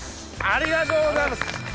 ありがとうございます。